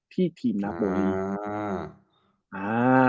ที่ทีมนาโพลี